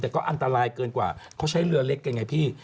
แต่ก็อันตรายเกินกว่าเขาใช้เรือเล็กกันไงพี่